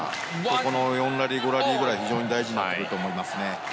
この４ラリー、５ラリーぐらいが非常に大事になってくると思います。